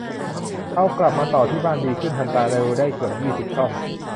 เอากลับมาต่อที่บ้าน ดีขึ้นทันตา ดูได้เกือบยี่สิบช่อง